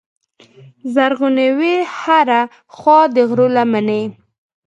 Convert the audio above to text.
زرغونې وې هره خوا د غرو لمنې